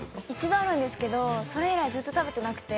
１度あるんですけどそれ以来ずっと食べてなくて。